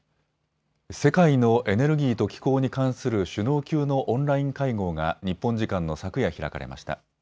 世界のエネルギーと気候に関する首脳級のオンライン会合が日本時間の昨夜開かれました。